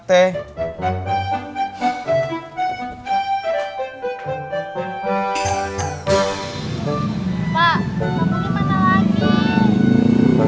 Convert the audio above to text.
pak mau dimana lagi